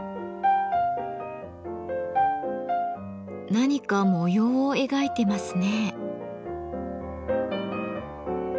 何か模様を描いてますね。